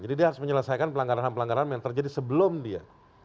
jadi dia harus menyelesaikan pelanggaran ham pelanggaran ham yang terjadi sebelum dia